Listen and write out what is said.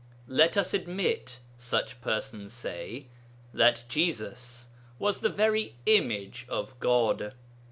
Let us admit, such persons say, that Jesus was the very image of God.